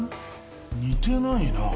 似てないなあ。